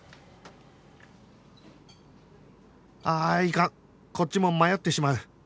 ああいかんこっちも迷ってしまう